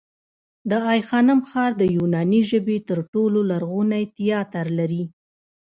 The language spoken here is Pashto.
د آی خانم ښار د یوناني ژبې تر ټولو لرغونی تیاتر لري